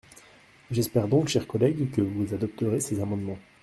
J’espère donc, chers collègues, que vous adopterez ces amendements.